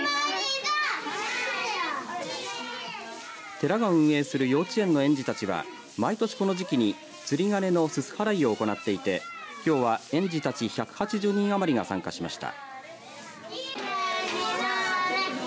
寺が運営する幼稚園の園児たちは毎年この時期に釣り鐘のすす払いを行っていてきょうは園児たち１８０人余りが参加しました。